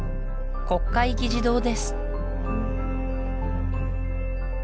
国会議事堂です